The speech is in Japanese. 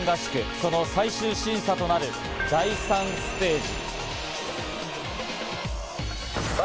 その最終審査となる第３ステージ。